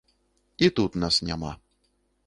І тут нас няма.